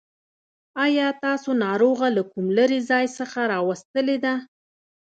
آيا تاسو ناروغه له کوم لرې ځای څخه راوستلې ده.